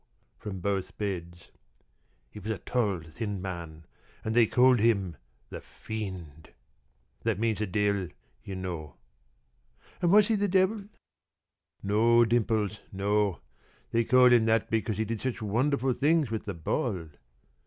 from both beds. "He was a tall, thin man, and they called him the Fiend. That means the Devil, you know." "And was he the Devil?" "No, Dimples, no. They called him that because he did such wonderful things with the ball."